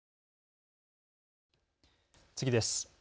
次です。